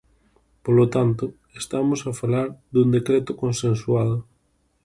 Polo tanto, estamos a falar dun decreto consensuado.